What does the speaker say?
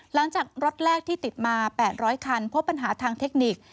หลังจากรถแรกที่ติดมา๘๐๐คันพบปัญหาทางเทคนิค